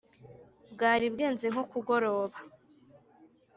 bwari bwenze nko kugoroba